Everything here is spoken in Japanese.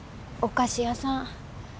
お菓子屋さん。